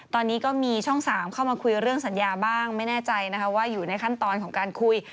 ตอนนี้ก็มีช่อง๓เข้ามาคุยเรื่องสัญญาบ้างไม่แน่ใจนะคะว่าอยู่ในขั้นตอนของการคุย